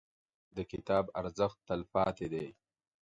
• د کتاب ارزښت، تلپاتې دی.